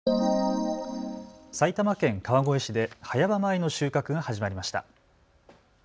埼玉県川越市で早場米の収穫が始まりました。